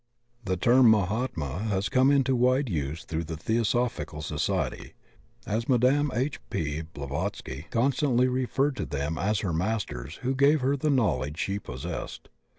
The term Mahatma has come into wide use through the Theosophical Society, as Mme. H. P. Blavatsky con stantly referred to them as her Masters who gave her the knowledge she possessed.